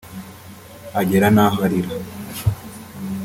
agera n’aho arira